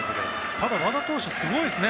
ただ、和田投手はすごいですね。